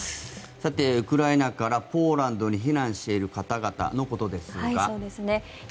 ウクライナからポーランドに避難している方々のことですが。